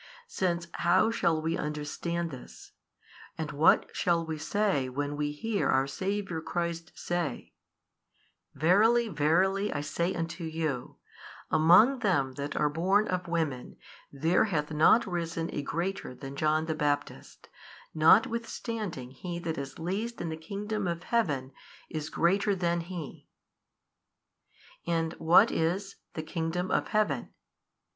Since how shall we understand this, and what shall we say when we hear our Saviour Christ say, Verily verily I say unto you, Among them that are born of women there hath not risen a greater than John the Baptist, notwithstanding he that is least in the kingdom of Heaven is greater than he? And what is the |551 kingdom of Heaven?